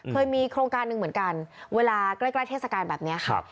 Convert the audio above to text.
เคยมีโครงการหนึ่งเหมือนกันเวลาใกล้เทศกาลแบบนี้ครับ